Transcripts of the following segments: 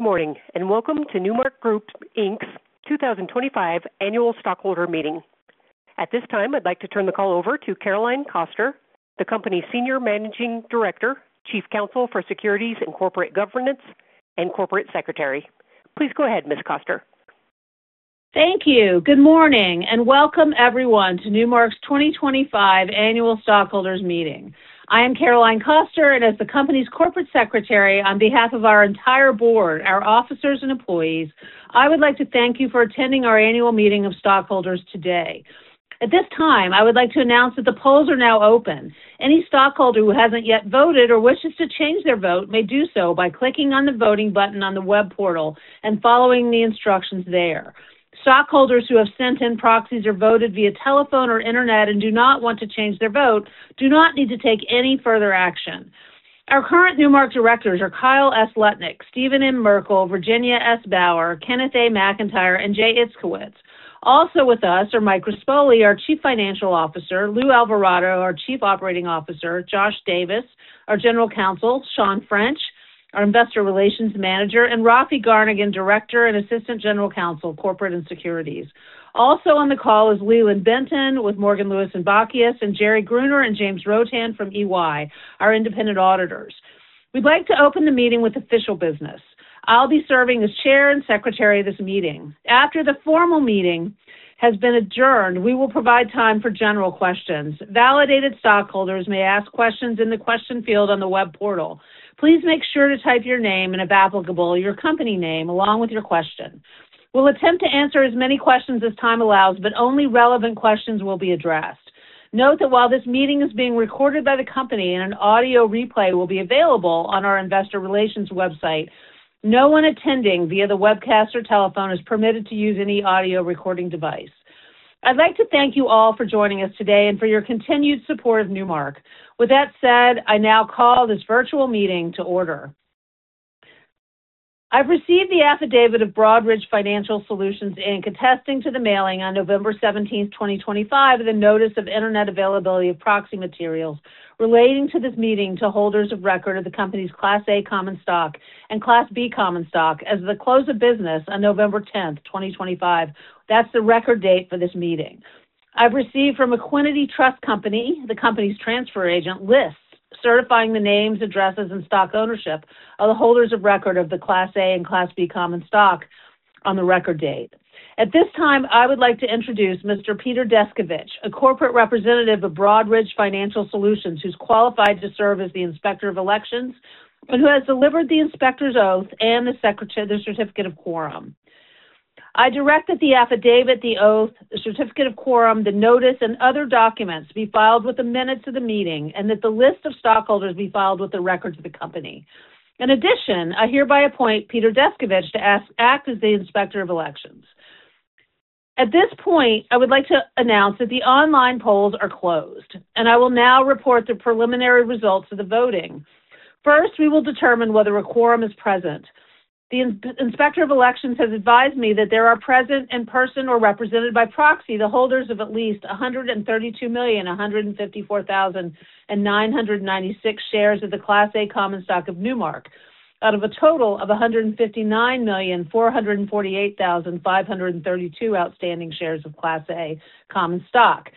Morning, and welcome to Newmark Group Inc.'s 2025 Annual Stockholder Meeting. At this time, I'd like to turn the call over to Caroline Koster, the company's Senior Managing Director, Chief Counsel for Securities and Corporate Governance, and Corporate Secretary. Please go ahead, Ms. Koster. Thank you. Good morning, and welcome everyone to Newmark's 2025 Annual Stockholders Meeting. I am Caroline Koster, and as the company's Corporate Secretary on behalf of our entire board, our officers, and employees, I would like to thank you for attending our annual meeting of stockholders today. At this time, I would like to announce that the polls are now open. Any stockholder who hasn't yet voted or wishes to change their vote may do so by clicking on the voting button on the web portal and following the instructions there. Stockholders who have sent in proxies or voted via telephone or internet and do not want to change their vote do not need to take any further action. Our current Newmark directors are Kyle S. Lutnick, Stephen M. Merkel, Virginia S. Bauer, Kenneth A. McIntyre, and Jay Itzkowitz. Also with us are Mike Rispoli, our Chief Financial Officer, Luis Alvarado, our Chief Operating Officer, Josh Davis, our General Counsel, Shaun French, our Investor Relations Manager, and Raffi Garnighian, Director and Assistant General Counsel, Corporate and Securities. Also on the call is Leland Benton with Morgan, Lewis & Bockius and Jerry Gruner and James Rothan from EY, our independent auditors. We'd like to open the meeting with official business. I'll be serving as Chair and Secretary of this meeting. After the formal meeting has been adjourned, we will provide time for general questions. Validated stockholders may ask questions in the question field on the web portal. Please make sure to type your name and, if applicable, your company name along with your question. We'll attempt to answer as many questions as time allows, but only relevant questions will be addressed. Note that while this meeting is being recorded by the company and an audio replay will be available on our Investor Relations website, no one attending via the webcast or telephone is permitted to use any audio recording device. I'd like to thank you all for joining us today and for your continued support of Newmark. With that said, I now call this virtual meeting to order. I've received the affidavit of Broadridge Financial Solutions attesting to the mailing on November 17, 2025, the notice of internet availability of proxy materials relating to this meeting to holders of record of the company's Class A Common Stock and Class B Common Stock as of the close of business on November 10, 2025. That's the record date for this meeting. I've received from Equiniti Trust Company, the company's transfer agent, lists certifying the names, addresses, and stock ownership of the holders of record of the Class A and Class B Common Stock on the record date. At this time, I would like to introduce Mr. Peter Descovich, a Corporate Representative of Broadridge Financial Solutions who's qualified to serve as the Inspector of Elections and who has delivered the Inspector's Oath and the Certificate of Quorum. I direct that the affidavit, the oath, the Certificate of Quorum, the notice, and other documents be filed with the minutes of the meeting and that the list of stockholders be filed with the records of the company. In addition, I hereby appoint Peter Descovich to act as the Inspector of Elections. At this point, I would like to announce that the online polls are closed, and I will now report the preliminary results of the voting. First, we will determine whether a quorum is present. The Inspector of Elections has advised me that there are present in person or represented by proxy the holders of at least 132,154,996 shares of the Class A Common Stock of Newmark out of a total of 159,448,532 outstanding shares of Class A Common Stock,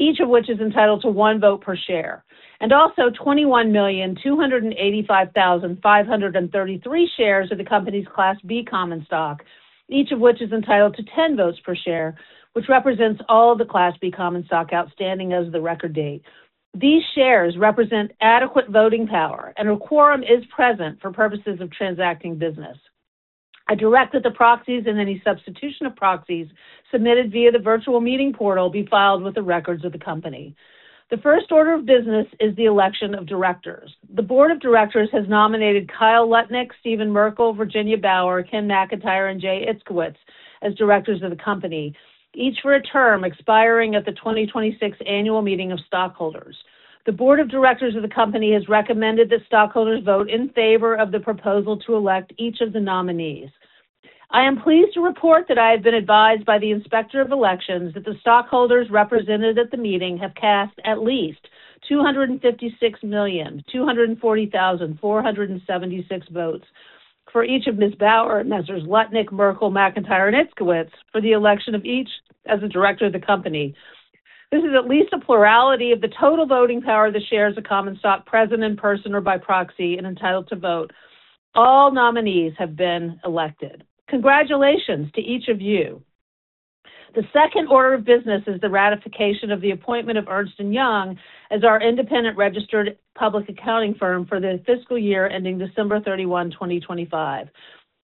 each of which is entitled to one vote per share, and also 21,285,533 shares of the company's Class B Common Stock, each of which is entitled to 10 votes per share, which represents all of the Class B Common Stock outstanding as of the record date. These shares represent adequate voting power, and a quorum is present for purposes of transacting business. I direct that the proxies and any substitution of proxies submitted via the virtual meeting portal be filed with the records of the company. The first order of business is the election of directors. The Board of Directors has nominated Kyle Lutnick, Stephen Merkel, Virginia Bauer, Ken McIntyre, and Jay Itzkowitz as directors of the company, each for a term expiring at the 2026 Annual Meeting of Stockholders. The Board of Directors of the company has recommended that stockholders vote in favor of the proposal to elect each of the nominees. I am pleased to report that I have been advised by the Inspector of Elections that the stockholders represented at the meeting have cast at least 256,240,476 votes for each of Ms. Bauer, Mr. Lutnick, Merkel, McIntyre, and Itzkowitz for the election of each as the Director of the company. This is at least a plurality of the total voting power of the shares of Common Stock present in person or by proxy and entitled to vote. All nominees have been elected. Congratulations to each of you. The second order of business is the ratification of the appointment of Ernst & Young as our independent registered public accounting firm for the fiscal year ending December 31, 2025.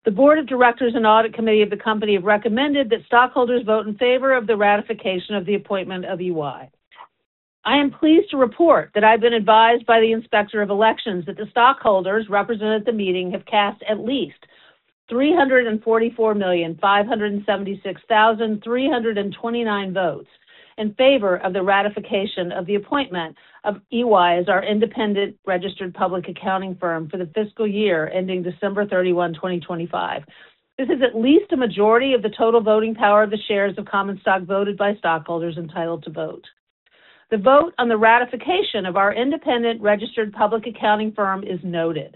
The Board of Directors and Audit Committee of the company have recommended that stockholders vote in favor of the ratification of the appointment of EY. I am pleased to report that I've been advised by the Inspector of Elections that the stockholders represented at the meeting have cast at least 344,576,329 votes in favor of the ratification of the appointment of EY as our independent registered public accounting firm for the fiscal year ending December 31, 2025. This is at least a majority of the total voting power of the shares of Common Stock voted by stockholders entitled to vote. The vote on the ratification of our independent registered public accounting firm is noted.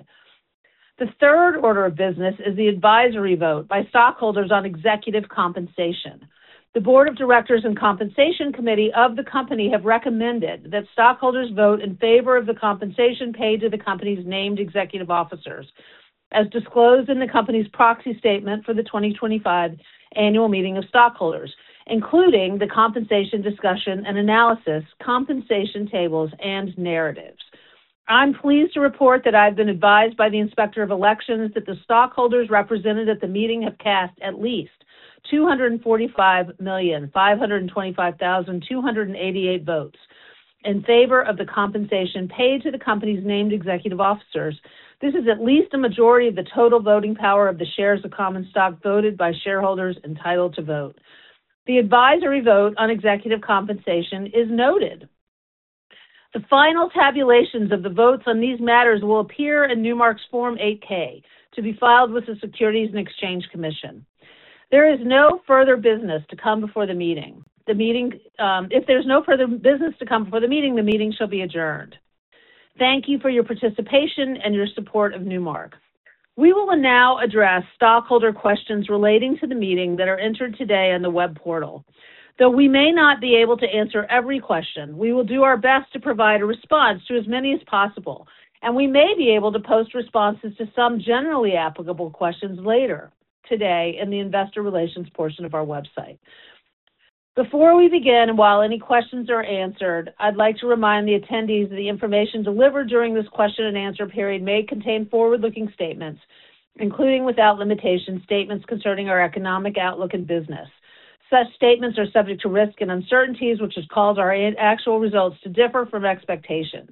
The third order of business is the advisory vote by stockholders on executive compensation. The Board of Directors and Compensation Committee of the company have recommended that stockholders vote in favor of the compensation paid to the company's named executive officers, as disclosed in the company's proxy statement for the 2025 Annual Meeting of Stockholders, including the compensation discussion and analysis, compensation tables, and narratives. I'm pleased to report that I've been advised by the Inspector of Elections that the stockholders represented at the meeting have cast at least 245,525,288 votes in favor of the compensation paid to the company's named executive officers. This is at least a majority of the total voting power of the shares of Common Stock voted by shareholders entitled to vote. The advisory vote on executive compensation is noted. The final tabulations of the votes on these matters will appear in Newmark's Form 8-K to be filed with the Securities and Exchange Commission. There is no further business to come before the meeting. If there's no further business to come before the meeting, the meeting shall be adjourned. Thank you for your participation and your support of Newmark. We will now address stockholder questions relating to the meeting that are entered today on the web portal. Though we may not be able to answer every question, we will do our best to provide a response to as many as possible, and we may be able to post responses to some generally applicable questions later today in the Investor Relations portion of our website. Before we begin and while any questions are answered, I'd like to remind the attendees that the information delivered during this question-and-answer period may contain forward-looking statements, including without limitation statements concerning our economic outlook and business. Such statements are subject to risk and uncertainties, which has caused our actual results to differ from expectations.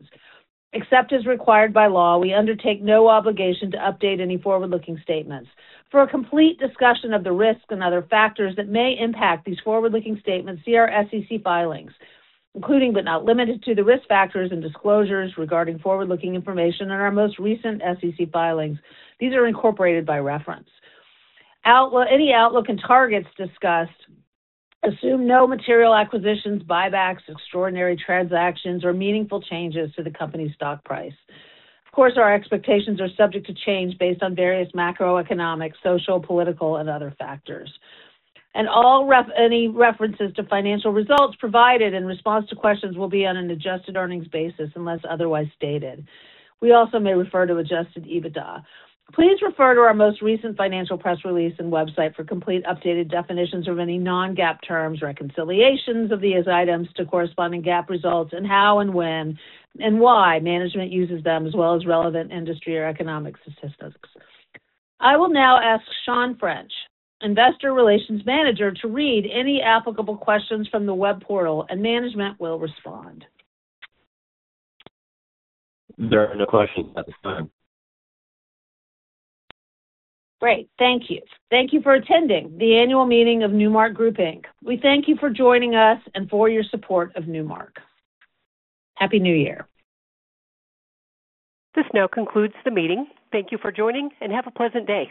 Except as required by law, we undertake no obligation to update any forward-looking statements. For a complete discussion of the risks and other factors that may impact these forward-looking statements, see our SEC filings, including but not limited to the risk factors and disclosures regarding forward-looking information in our most recent SEC filings. These are incorporated by reference. Any outlook and targets discussed assume no material acquisitions, buybacks, extraordinary transactions, or meaningful changes to the company's stock price. Of course, our expectations are subject to change based on various macroeconomic, social, political, and other factors. And any references to financial results provided in response to questions will be on an adjusted earnings basis unless otherwise stated. We also may refer to adjusted EBITDA. Please refer to our most recent financial press release and website for complete updated definitions of any non-GAAP terms, reconciliations of these items to corresponding GAAP results, and how and when and why management uses them, as well as relevant industry or economic statistics. I will now ask Shaun French, Investor Relations Manager, to read any applicable questions from the web portal, and management will respond. There are no questions at this time. Great. Thank you. Thank you for attending the Annual Meeting of Newmark Group Inc. We thank you for joining us and for your support of Newmark. Happy New Year. This now concludes the meeting. Thank you for joining, and have a pleasant day.